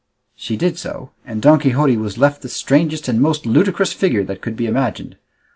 She did so, and Don Quixote was left the strangest and most ludicrous figure that could be imagined.